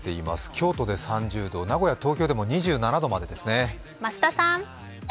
京都で３０度、名古屋、東京でも２７度までですね。